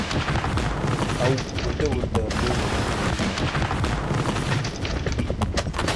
ئەو وردوردە بۆی ڕوون کردمەوە